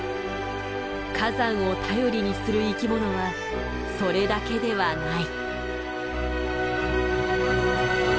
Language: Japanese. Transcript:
火山を頼りにする生きものはそれだけではない。